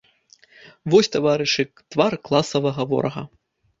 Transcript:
Вось, таварышы, твар класавага ворага!